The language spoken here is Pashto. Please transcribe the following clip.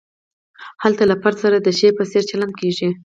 هلته له فرد سره د شي په څېر چلند کیږي.